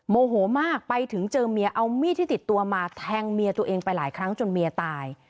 โมโหมากไปถึงเจอเมียเอามีดที่ติดตัวมาแทงเมียตัวเองไปหลายครั้งจนเมียตาย